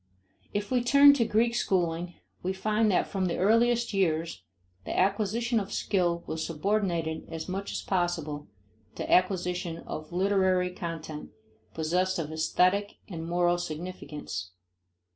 If we turn to Greek schooling, we find that from the earliest years the acquisition of skill was subordinated as much as possible to acquisition of literary content possessed of aesthetic and moral significance.